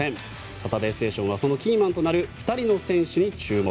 「サタデーステーション」はそのキーマンとなる２人の選手に注目。